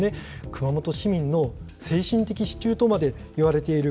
熊本市民の精神的支柱とまでいわれている